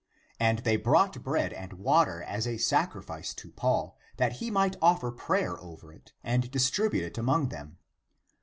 And they brought bread and water as a sacri fice to Paul that he might offer prayer (over it) and distribute it among them.